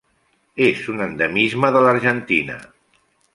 És un endemisme de l'Argentina.